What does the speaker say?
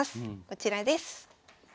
こちらです。